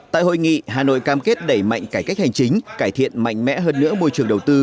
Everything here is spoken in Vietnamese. tại hội nghị hà nội cam kết đẩy mạnh cải cách hành chính cải thiện mạnh mẽ hơn nữa môi trường đầu tư